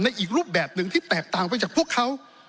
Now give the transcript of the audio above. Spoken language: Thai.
อีกรูปแบบหนึ่งที่แตกต่างไปจากพวกเขา